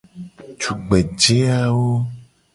Tugbeje awo.